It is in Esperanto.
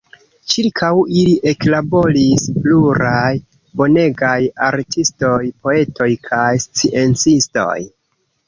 Ĉirkaŭ ili eklaboris pluraj bonegaj artistoj, poetoj kaj sciencistoj.